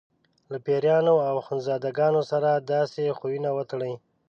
له پیرانو او اخندزاده ګانو سره داسې خویونه وتړي.